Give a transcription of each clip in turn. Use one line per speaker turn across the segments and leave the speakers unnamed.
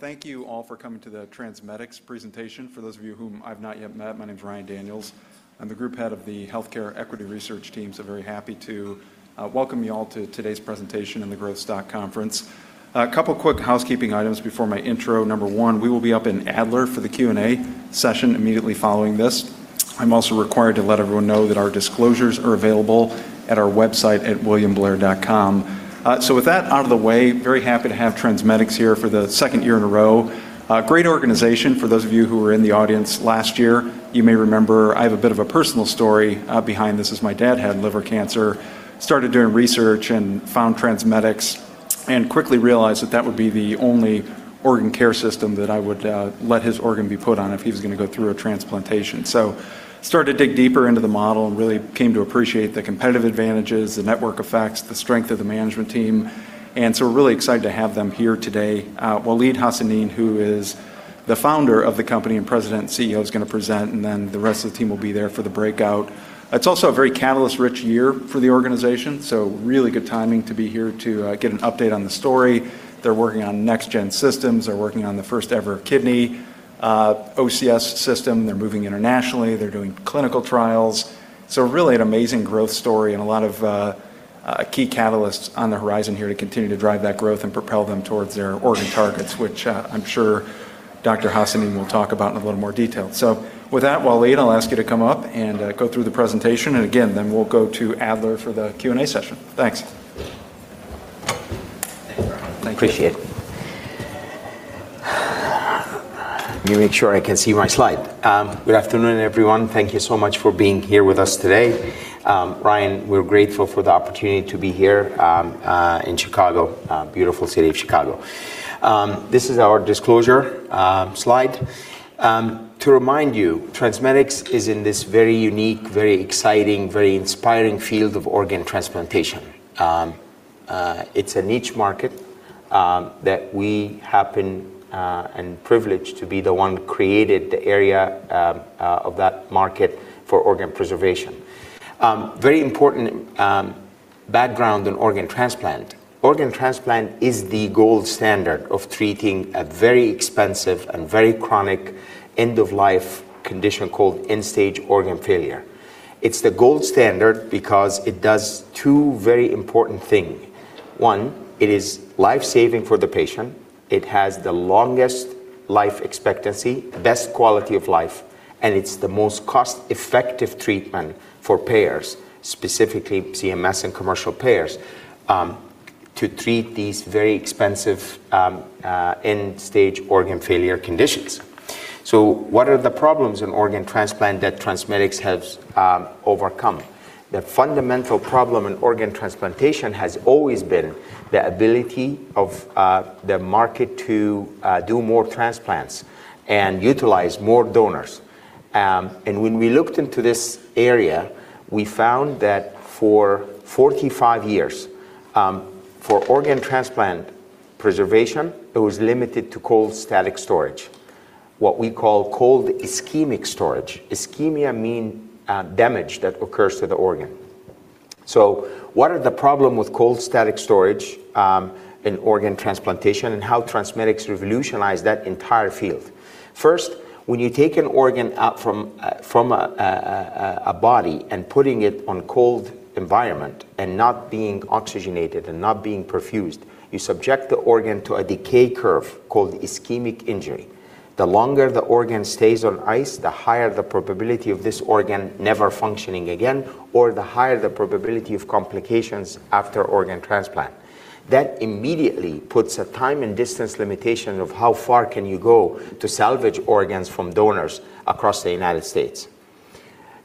Thank you all for coming to the TransMedics presentation. For those of you whom I've not yet met, my name is Ryan Daniels. I'm the Group Head of the Healthcare Equity Research Team, very happy to welcome you all to today's presentation in the Growth Stock Conference. A couple of quick housekeeping items before my intro. Number one, we will be up in Adler for the Q&A session immediately following this. I'm also required to let everyone know that our disclosures are available at our website at williamblair.com. With that out of the way, very happy to have TransMedics here for the second year in a row. A great organization. For those of you who were in the audience last year, you may remember I have a bit of a personal story behind this, as my dad had liver cancer. Started doing research and found TransMedics and quickly realized that that would be the only Organ Care System that I would let his organ be put on if he were going to go through a transplantation. Started to dig deeper into the model and really came to appreciate the competitive advantages, the network effects, and the strength of the management team, and so we're really excited to have them here today. Waleed Hassanein, who is the founder of the company and President and CEO, is going to present, and then the rest of the team will be there for the breakout. It's also a very catalyst-rich year for the organization, so really good timing to be here to get an update on the story. They're working on next-gen systems. They're working on the first-ever kidney OCS System. They're moving internationally. They're doing clinical trials. Really an amazing growth story and a lot of key catalysts on the horizon here to continue to drive that growth and propel them towards their organ targets, which I'm sure Dr. Hassanein will talk about in a little more detail. With that, Waleed, I'll ask you to come up and go through the presentation. Again, then we'll go to Adler for the Q&A session. Thanks.
Thanks, Ryan.
Thank you.
Appreciate it. Let me make sure I can see my slide. Good afternoon, everyone. Thank you so much for being here with us today. Ryan, we're grateful for the opportunity to be here in Chicago, the beautiful city of Chicago. This is our disclosure slide. To remind you, TransMedics is in this very unique, very exciting, very inspiring field of organ transplantation. It's a niche market, and we have been privileged to be the one created the area of that market for organ preservation. Very important background on organ transplant. Organ transplant is the gold standard of treating a very expensive and very chronic end-of-life condition called end-stage organ failure. It's the gold standard because it does two very important things. One, it is life-saving for the patient. It has the longest life expectancy, the best quality of life, and it's the most cost-effective treatment for payers, specifically CMS and commercial payers, to treat these very expensive end-stage organ failure conditions. What are the problems in organ transplant that TransMedics has overcome? The fundamental problem in organ transplantation has always been the ability of the market to do more transplants and utilize more donors. When we looked into this area, we found that for 45 years, for organ transplant preservation, it was limited to cold static storage, what we call cold ischemic storage. "Ischemia" means damage that occurs to the organ. What are the problems with cold static storage in organ transplantation, and how TransMedics revolutionize that entire field? First, when you take an organ out from a body and put it on a cold environment and not being oxygenated and not being perfused, you subject the organ to a decay curve called "ischemic injury." The longer the organ stays on ice, the higher the probability of this organ never functioning again, or the higher the probability of complications after organ transplant. That immediately puts a time and distance limitation of how far you can go to salvage organs from donors across the U.S.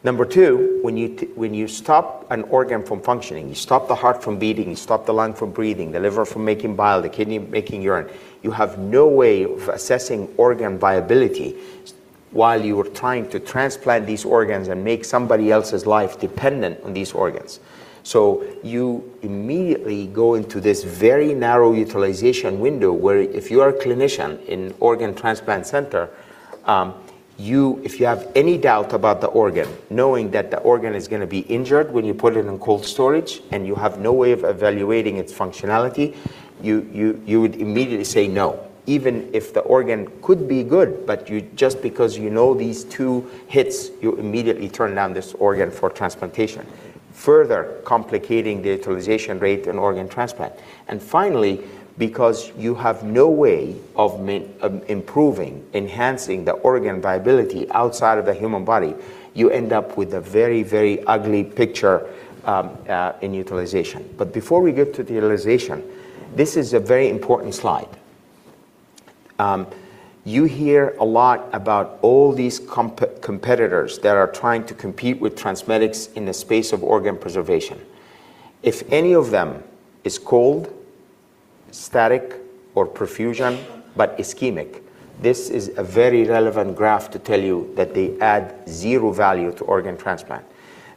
Number two, when you stop an organ from functioning, you stop the heart from beating, you stop the lungs from breathing, the liver from making bile, and the kidneys from making urine. You have no way of assessing organ viability while you are trying to transplant these organs and make somebody else's life dependent on these organs. You immediately go into this very narrow utilization window where, if you are a clinician in an organ transplant center and you have any doubt about the organ, knowing that the organ is going to be injured when you put it in cold storage and you have no way of evaluating its functionality, you would immediately say no. Even if the organ could be good, just because you know these two hits, you immediately turn down this organ for transplantation, further complicating the utilization rate in organ transplants. Finally, because you have no way of improving or enhancing the organ viability outside of the human body, you end up with a very, very ugly picture in utilization. Before we get to the utilization, this is a very important slide. You hear a lot about all these competitors that are trying to compete with TransMedics in the space of organ preservation. If any of them is cold static or perfusion but ischemic, this is a very relevant graph to tell you that they add zero value to organ transplant.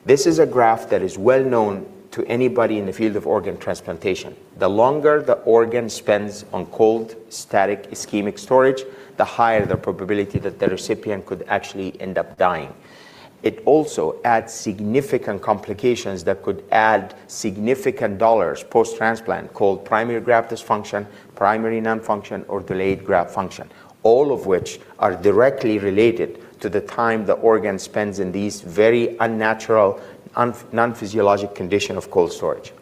This is a graph that is well-known to anybody in the field of organ transplantation. The longer the organ spends on cold static ischemic storage, the higher the probability that the recipient could actually end up dying. It also adds significant complications that could add significant dollars post-transplant, called primary graft dysfunction, primary nonfunction, or delayed graft function. All of which are directly related to the time the organ spends in this very unnatural, non-physiologic condition of cold storage.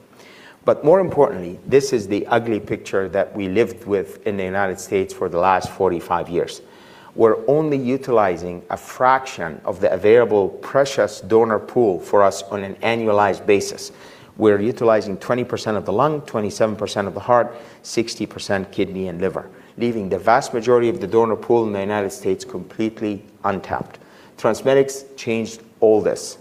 More importantly, this is the ugly picture that we lived with in the U.S. for the last 45 years. We're only utilizing a fraction of the available precious donor pool for us on an annualized basis. We're utilizing 20% of the lung, 27% of the heart, and 60% of the kidney and liver, leaving the vast majority of the donor pool in the U.S. completely untapped. TransMedics changed all this.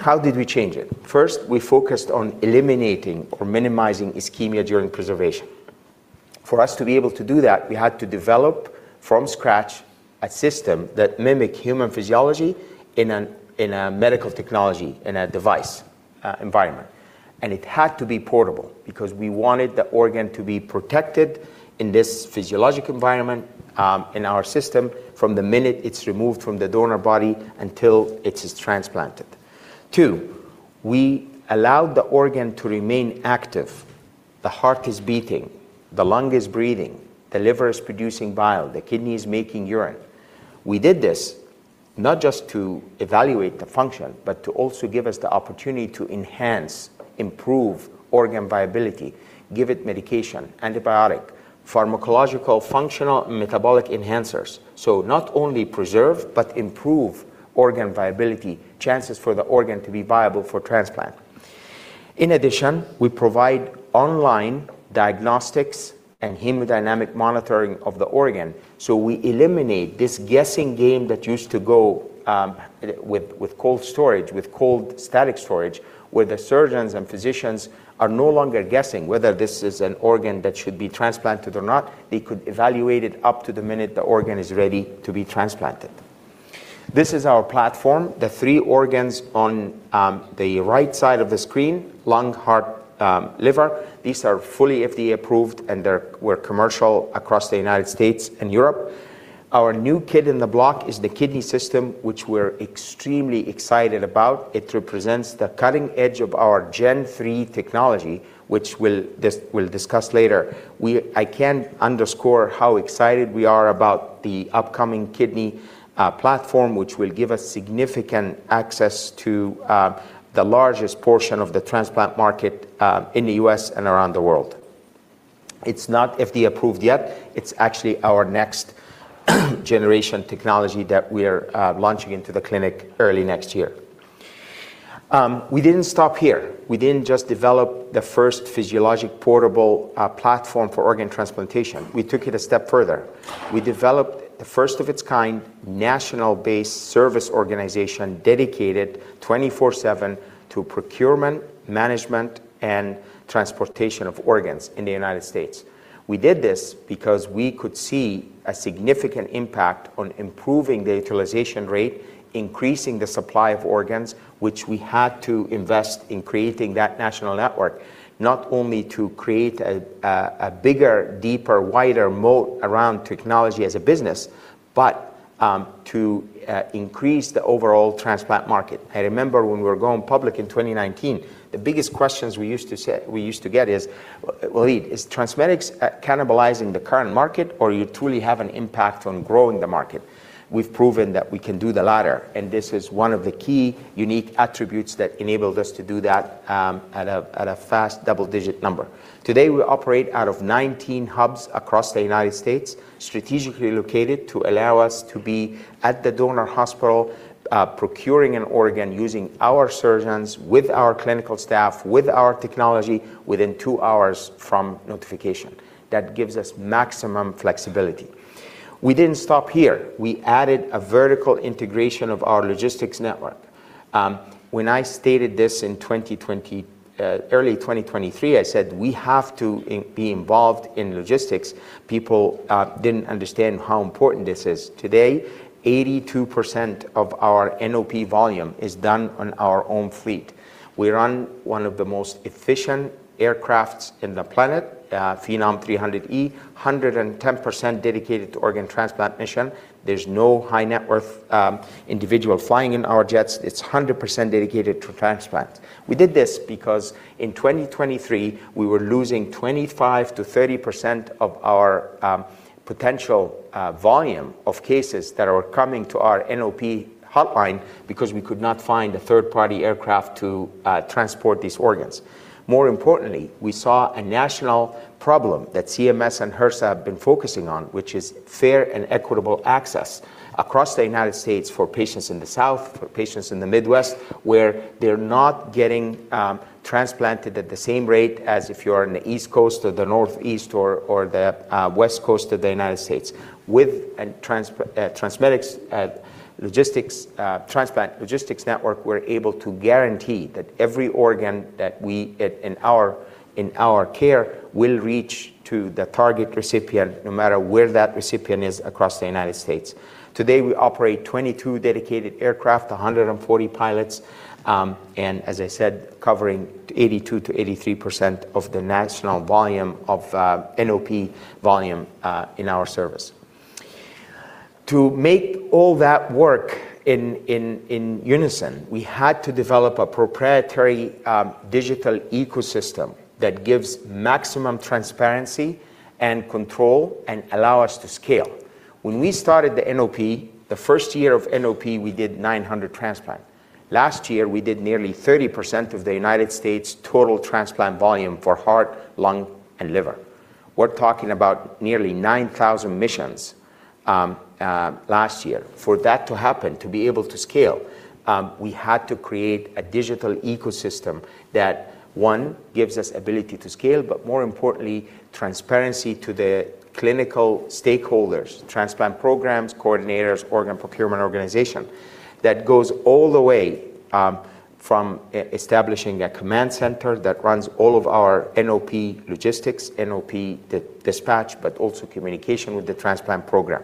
How did we change it? First, we focused on eliminating or minimizing ischemia during preservation. For us to be able to do that, we had to develop from scratch a system that mimics human physiology in a medical technology in a device environment. It had to be portable because we wanted the organ to be protected in this physiologic environment, in our system, from the minute it's removed from the donor body until it is transplanted. Two, we allowed the organ to remain active. The heart is beating, the lungs are breathing, the liver is producing bile, and the kidney is making urine. We did this not just to evaluate the function but also to give us the opportunity to enhance and improve organ viability and give it medication, antibiotics, and pharmacological functional metabolic enhancers. Not only preserve but also improve organ viability and chances for the organ to be viable for transplant. In addition, we provide online diagnostics and hemodynamic monitoring of the organ. We eliminate this guessing game that used to go on with cold storage, with cold static storage, where the surgeons and physicians are no longer guessing whether this is an organ that should be transplanted or not. They could evaluate it up to the minute the organ is ready to be transplanted. This is our platform. The three organs on the right side of the screen are the lung, heart, and liver. These are fully FDA approved, and they were commercial across the U.S. and Europe. Our new kid in the block is the kidney system, which we're extremely excited about. It represents the cutting edge of our Gen 3 technology, which we'll discuss later. I can't underscore how excited we are about the upcoming kidney platform, which will give us significant access to the largest portion of the transplant market in the U.S. and around the world. It's not FDA approved yet. It's actually our next-generation technology that we're launching into the clinic early next year. We didn't stop here. We didn't just develop the first physiologic portable platform for organ transplantation. We took it a step further. We developed the first of its kind national-based service organization dedicated 24/7 to procurement, management, and transportation of organs in the U.S. We did this because we could see a significant impact on improving the utilization rate and increasing the supply of organs, which we had to invest in to create that national network, not only to create a bigger, deeper, wider moat around technology as a business but also to increase the overall transplant market. I remember when we were going public in 2019, the biggest questions we used to get were, "Waleed, is TransMedics cannibalizing the current market, or do you truly have an impact on growing the market? We've proven that we can do the latter, and this is one of the key unique attributes that enabled us to do that at a fast double-digit number. Today, we operate out of 19 hubs across the U.S., strategically located to allow us to be at the donor hospital, procuring an organ using our surgeons, with our clinical staff, with our technology within two hours from notification. That gives us maximum flexibility. We didn't stop here. We added a vertical integration of our logistics network. When I stated this in early 2023, I said we have to be involved in logistics. People didn't understand how important this is. Today, 82% of our NOP volume is done on our own fleet. We run one of the most efficient aircrafts on the planet, the Phenom 300E, 110% dedicated to organ transplant missions. There's no high-net-worth individual flying in our jets. It's 100% dedicated to transplant. We did this because in 2023, we were losing 25%-30% of our potential volume of cases that are coming to our NOP hotline because we could not find a third-party aircraft to transport these organs. More importantly, we saw a national problem that CMS and HRSA have been focusing on, which is fair and equitable access across the U.S. for patients in the South and for patients in the Midwest, where they're not getting transplanted at the same rate as if you were on the East Coast or the Northeast or the West Coast of the U.S. With TransMedics' transplant logistics network, we're able to guarantee that every organ in our care will reach to the target recipient no matter where that recipient is across the U.S.. Today, we operate 22 dedicated aircraft and 140 pilots, as I said, covering 82%-83% of the national volume of NOP volume in our service. To make all that work in unison, we had to develop a proprietary digital ecosystem that gives maximum transparency and control and allows us to scale. When we started the NOP, the first year of NOP, we did 900 transplants. Last year, we did nearly 30% of the U.S.'s total transplant volume for heart, lung, and liver. We're talking about nearly 9,000 missions last year. For that to happen, to be able to scale, we had to create a digital ecosystem that, one, gives us the ability to scale, but more importantly, transparency to the clinical stakeholders, transplant programs, coordinators, and organ procurement organizations; that goes all the way from establishing a command center that runs all of our NOP logistics and NOP dispatch but also communication with the transplant program.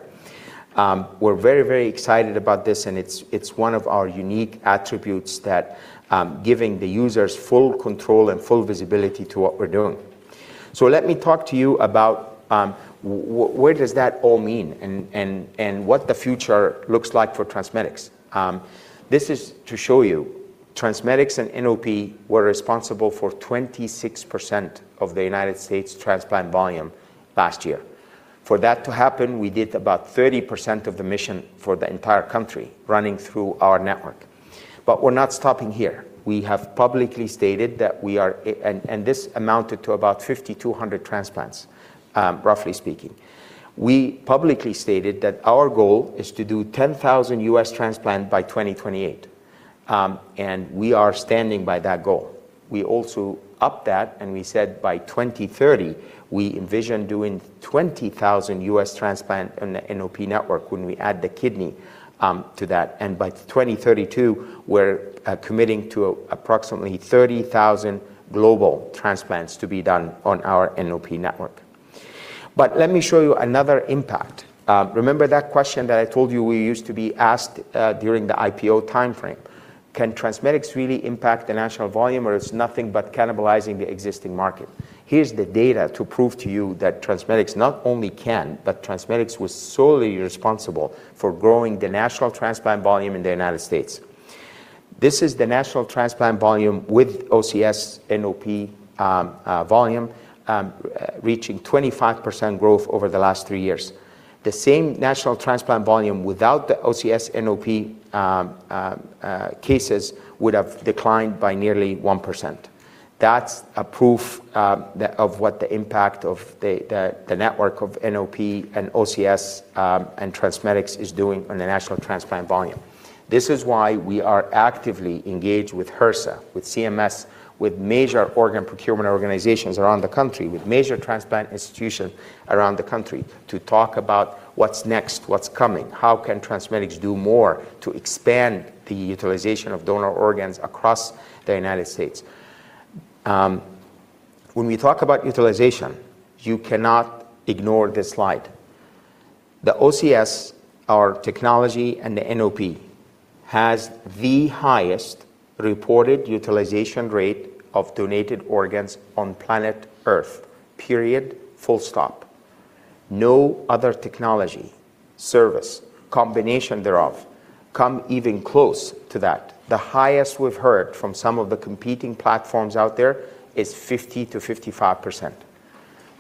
We're very excited about this, and it's one of our unique attributes that gives the users full control and full visibility to what we're doing. Let me talk to you about what all that means and what the future looks like for TransMedics. This is to show you TransMedics and NOP were responsible for 26% of the U.S. transplant volume last year. For that to happen, we did about 30% of the mission for the entire country running through our network. We're not stopping here. This amounted to about 5,200 transplants, roughly speaking. We publicly stated that our goal is to do 10,000 U.S. transplants by 2028, and we are standing by that goal. We also upped that, and we said by 2030, we envision doing 20,000 U.S. transplants on the NOP network when we add the kidney to that. By 2032, we're committing to approximately 30,000 global transplants to be done on our NOP network. Let me show you another impact. Remember that question that I told you we used to be asked during the IPO timeframe? Can TransMedics really impact the national volume, or is it nothing but cannibalizing the existing market? Here's the data to prove to you that TransMedics not only can, but TransMedics was solely responsible for growing the national transplant volume in the U.S. This is the national transplant volume with OCS, NOP volume, reaching 25% growth over the last three years. The same national transplant volume without the OCS, NOP cases would have declined by nearly 1%. That's proof of what the impact of the network of NOP and OCS and TransMedics is doing on the national transplant volume. This is why we are actively engaged with HRSA, with CMS, with major organ procurement organizations around the country, and with major transplant institutions around the country to talk about what's next, what's coming, and how TransMedics can do more to expand the utilization of donor organs across the U.S. When we talk about utilization, you cannot ignore this slide. The OCS, our technology, and the NOP have the highest reported utilization rate of donated organs on planet Earth. Period. Full stop. No other technology, service, or combination thereof comes even close to that. The highest we've heard from some of the competing platforms out there is 50%-55%.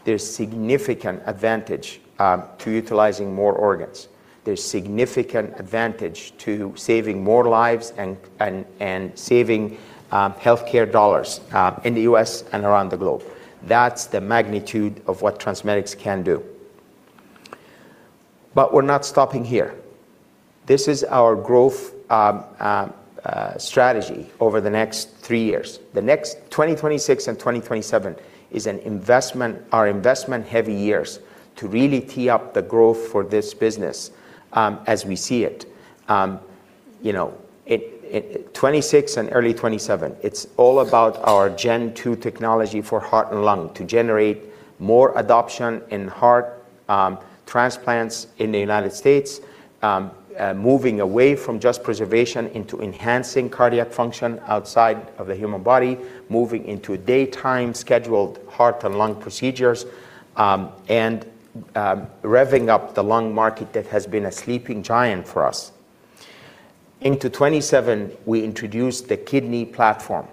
There's a significant advantage to utilizing more organs. There's a significant advantage to saving more lives and saving healthcare dollars in the U.S. and around the globe. That's the magnitude of what TransMedics can do. We're not stopping here. This is our growth strategy over the next three years. The next 2026 and 2027 are investment-heavy years to really tee up the growth for this business as we see it. 2026 and early 2027, it's all about our Gen 2 technology for heart and lung to generate more adoption in heart transplants in the U.S., moving away from just preservation into enhancing cardiac function outside of the human body, moving into daytime scheduled heart and lung procedures, and revving up the lung market that has been a sleeping giant for us. In 2027, we introduced the kidney platform.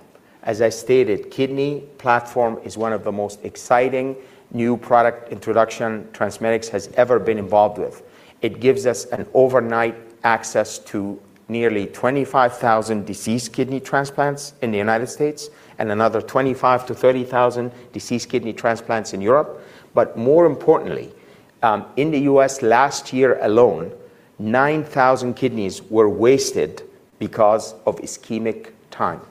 As I stated, the kidney platform is one of the most exciting new product introductions TransMedics has ever been involved with. It gives us overnight access to nearly 25,000 deceased kidney transplants in the U.S. and another 25,000 to 30,000 deceased kidney transplants in Europe. More importantly, in the U.S. last year alone, 9,000 kidneys were wasted because of ischemic time.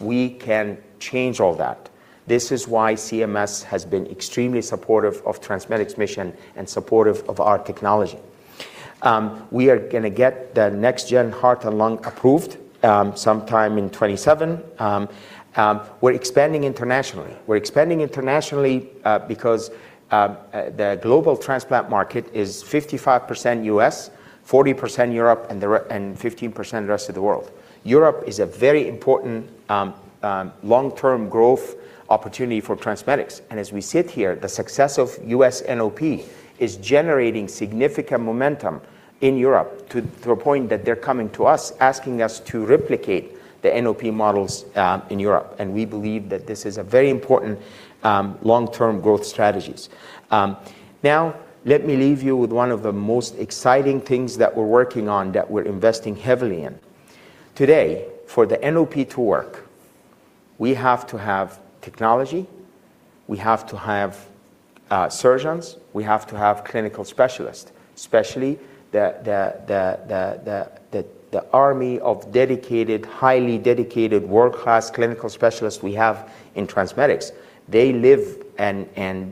We can change all that. This is why CMS has been extremely supportive of TransMedics' mission and supportive of our technology. We are going to get the next Gen heart and lungs approved sometime in 2027. We're expanding internationally. We're expanding internationally because the global transplant market is 55% U.S., 40% Europe, and 15% the rest of the world. Europe is a very important long-term growth opportunity for TransMedics. As we sit here, the success of U.S. NOP is generating significant momentum in Europe to a point that they're coming to us, asking us to replicate the NOP models in Europe, and we believe that this is a very important long-term growth strategy. Let me leave you with one of the most exciting things that we're working on, that we're investing heavily in. Today, for the NOP to work, we have to have technology; we have to have surgeons; we have to have clinical specialists, especially the army of highly dedicated, world-class clinical specialists we have in TransMedics. They live, and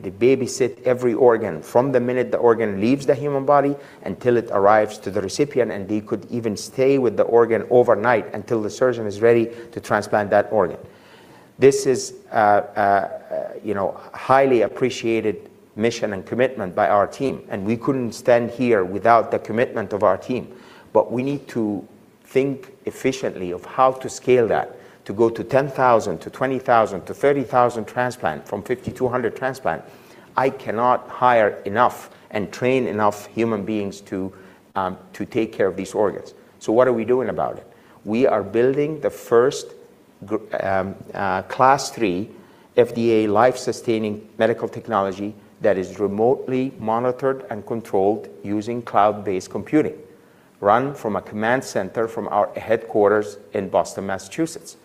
they babysit every organ from the minute the organ leaves the human body until it arrives to the recipient, and they could even stay with the organ overnight until the surgeon is ready to transplant that organ. This is a highly appreciated mission and commitment by our team, and we couldn't stand here without the commitment of our team. We need to think efficiently of how to scale that, to go to 10,000-20,000-30,000 transplants from 5,200 transplants. I cannot hire enough and train enough human beings to take care of these organs. What are we doing about it? We are building the first Class III FDA life-sustaining medical technology that is remotely monitored and controlled using cloud-based computing, run from a command center at our headquarters in Boston, Massachusetts.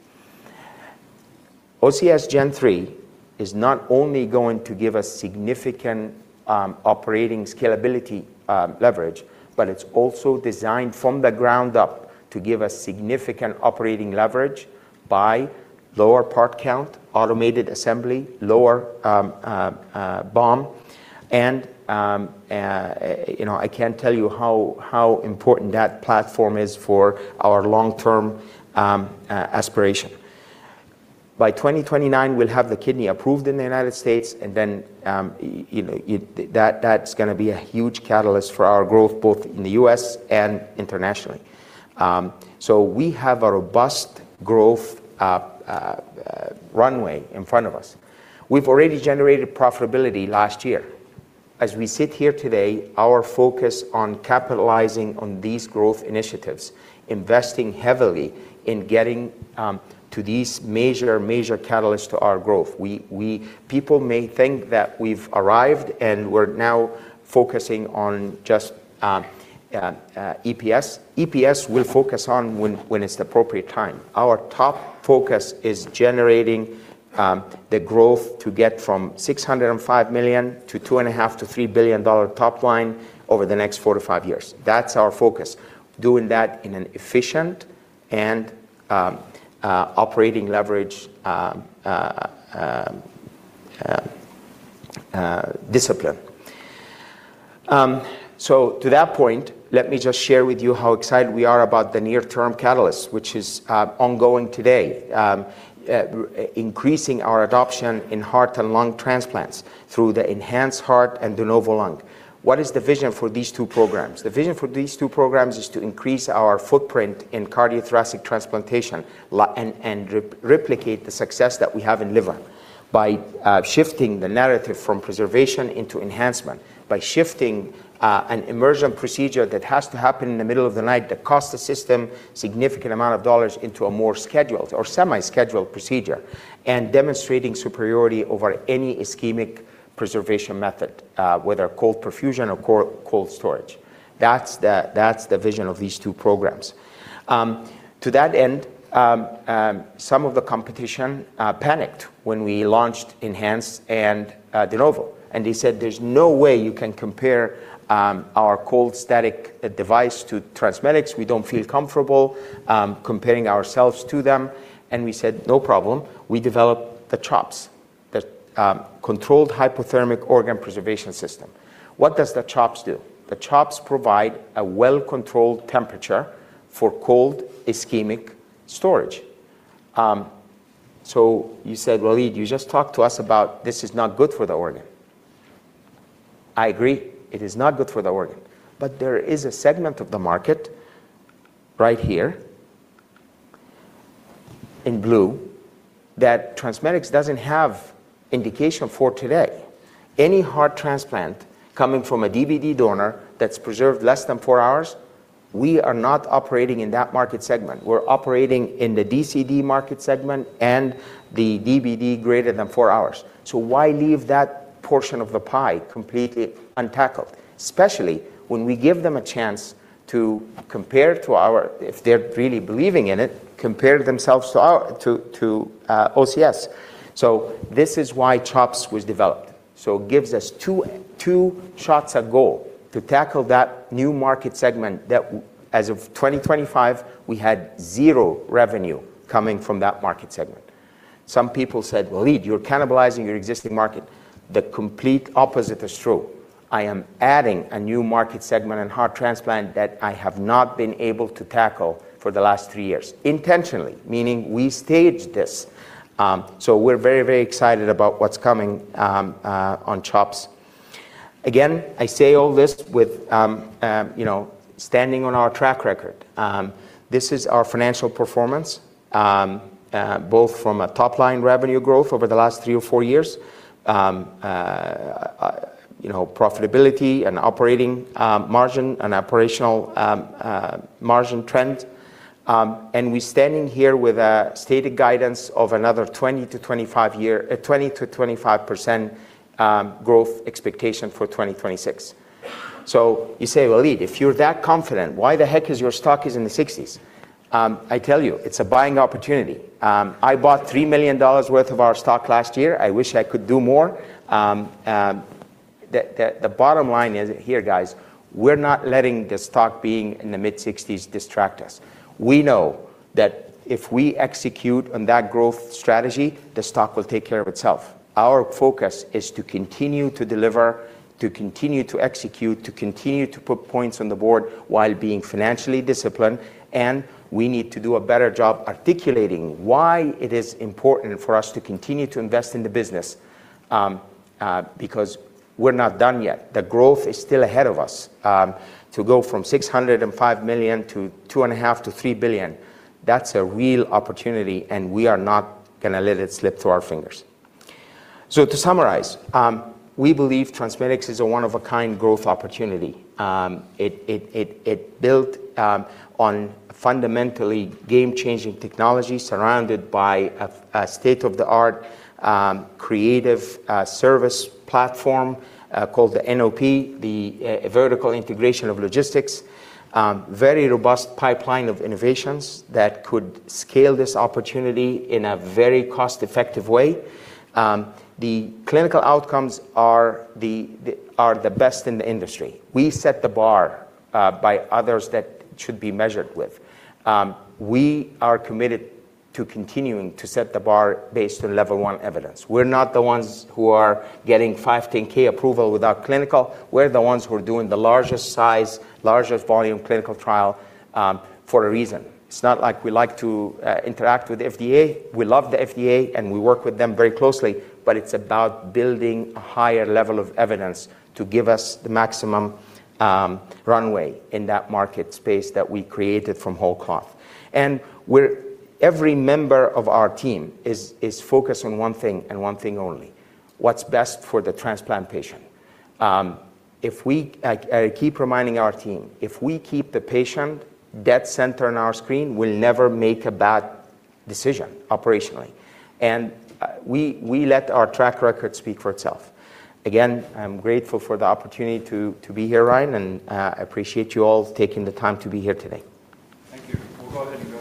OCS Gen 3 is not only going to give us significant operating scalability leverage, but it's also designed from the ground up to give us significant operating leverage by lower part count, automated assembly, and lower BOM. I can't tell you how important that platform is for our long-term aspiration. By 2029, we'll have the kidney approved in the U.S., and then that's going to be a huge catalyst for our growth, both in the U.S. and internationally. We have a robust growth runway in front of us. We already generated profitability last year. As we sit here today, our focus is on capitalizing on these growth initiatives, investing heavily in getting to these major catalysts to our growth. People may think that we've arrived and we're now focusing on just EPS. EPS, we'll focus on when it's the appropriate time. Our top focus is generating the growth to get from $605 million-$2.5-$3 billion top line over the next four-five years. That's our focus, doing that with efficiency and operating leverage discipline. To that point, let me just share with you how excited we are about the near-term catalyst, which is ongoing today, increasing our adoption in heart and lung transplants through ENHANCE Heart and DENOVO Lung. What is the vision for these two programs? The vision for these two programs is to increase our footprint in cardiothoracic transplantation and replicate the success that we have in liver by shifting the narrative from preservation into enhancement, by shifting an emergent procedure that has to happen in the middle of the night that costs the system a significant amount of dollars into a more scheduled or semi-scheduled procedure, and by demonstrating superiority over any ischemic preservation method, whether cold perfusion or cold storage. That's the vision of these two programs. To that end, some of the competition panicked when we launched ENHANCE Heart and DENOVO Lung, and they said, There's no way you can compare our cold static device to TransMedics. We don't feel comfortable comparing ourselves to them. We said, No problem. We developed the CHOPS, the Controlled Hypothermic Organ Preservation System. What does the CHOPS do? The CHOPS provide a well-controlled temperature for cold ischemic storage. You said, Waleed, you just talked to us about this not being good for the organ I agree. It is not good for the organ. There is a segment of the market right here in blue that TransMedics doesn't have indication for today. Any heart transplant coming from a DBD donor that's preserved less than four hours, we are not operating in that market segment. We're operating in the DCD market segment and the DBD greater than four hours. Why leave that portion of the pie completely untackled? Especially when we give them a chance to compare, if they're really believing in it, compare themselves to OCS. This is why CHOPS was developed. It gives us two shots a goal to tackle that new market segment that, as of 2025, we had zero revenue coming from. Some people said, Waleed, you're cannibalizing your existing market.. The complete opposite is true. I am adding a new market segment in heart transplant that I have not been able to tackle for the last three years, intentionally, meaning we staged this. We're very excited about what's coming on CHOPS. Again, I say all this standing on our track record. This is our financial performance, both from a top-line revenue growth over the last three or four years and profitability and operating margin and operational margin trends. We're standing here with a stated guidance of another 20%-25% growth expectation for 2026. You say, Waleed, if you're that confident, why the heck is your stock in the 60s? I tell you, it's a buying opportunity. I bought $3 million worth of our stock last year. I wish I could do more. The bottom line is here, guys; we're not letting the stock being in the mid-60s distract us. We know that if we execute on that growth strategy, the stock will take care of itself. Our focus is to continue to deliver, to continue to execute, and to continue to put points on the board while being financially disciplined. We need to do a better job articulating why it is important for us to continue to invest in the business because we're not done yet. The growth is still ahead of us. To go from $605 million-$2.5 billion-$3 billion, that's a real opportunity, and we are not going to let it slip through our fingers. To summarize, we believe TransMedics is a one-of-a-kind growth opportunity. It built on fundamentally game-changing technology surrounded by a state-of-the-art creative service platform called the NOP, the vertical integration of logistics. Very robust pipeline of innovations that could scale this opportunity in a very cost-effective way. The clinical outcomes are the best in the industry. We set the bar by others that should be measured with. We are committed to continuing to set the bar based on level 1 evidence. We're not the ones who are getting 510(k) approval without clinical. We're the ones who are doing the largest-size, largest volume clinical trial for a reason. It's not like we like to interact with FDA. We love the FDA, we work with them very closely, but it's about building a higher level of evidence to give us the maximum runway in that market space that we created from whole cloth. Every member of our team is focused on one thing and one thing only, what's best for the transplant patient. I keep reminding our team, if we keep the patient dead center on our screen, we'll never make a bad decision operationally. We let our track record speak for itself. Again, I'm grateful for the opportunity to be here, Ryan, and I appreciate you all taking the time to be here today.
Thank you. We'll go ahead and go to Adler up on the second-floor balcony. Please join me in thanking the team from TransMedics.
Thank you.